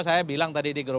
saya bilang tadi di grup